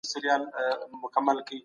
مشران به انفرادي حقونه خوندي کړي.